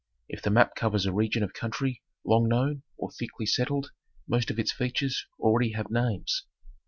If the map covers a region of country long known or thickly settled most of its features already have names.